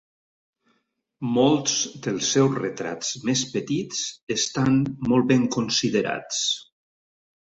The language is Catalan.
Molts dels seus retrats més petits estan molt ben considerats.